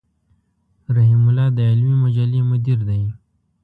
رحيم الله د علمي مجلې مدير دی.